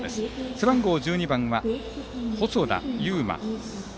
背番号１２は細田悠真。